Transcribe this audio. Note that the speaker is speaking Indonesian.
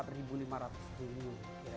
empat lima ratus triliun kira kira